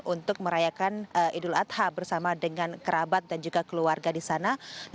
untuk merayakan idul adha bersama dengan kerabat dan juga keluarga di sana